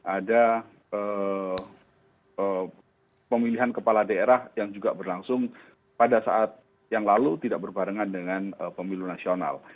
ada pemilihan kepala daerah yang juga berlangsung pada saat yang lalu tidak berbarengan dengan pemilu nasional